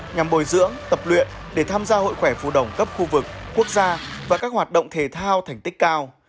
nhằm bồi dưỡng tập luyện để tham gia hội khỏe phụ đồng cấp khu vực quốc gia và các hoạt động thể thao thành tích cao